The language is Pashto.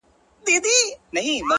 o تا په درد كاتــــه اشــــنــــا؛